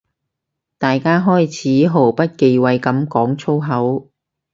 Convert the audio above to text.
大家開始毫不忌諱噉講粗口